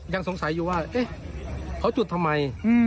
ยังสงสัยอยู่ว่าเอ๊ะเขาจุดทำไม